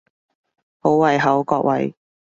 好胃口各位！